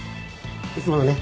いつものね。